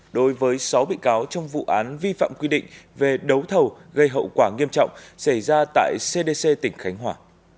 đối với sáu bị cáo trong vụ án vi phạm quy định về đấu thầu gây hậu quả nghiêm trọng xảy ra tại cdc tỉnh khánh hòa